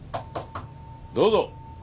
どうぞ。